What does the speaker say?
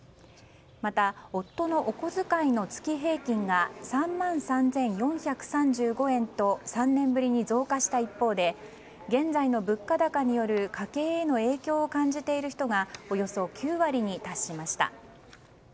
また、夫のお小遣いの月平均が３万３４３５円と３年ぶりに増加した一方で現在の物価高による家計への影響を感じている人がおよそ９割に達しました。